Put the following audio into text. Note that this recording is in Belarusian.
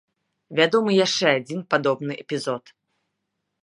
Вядомы яшчэ адзін падобны эпізод.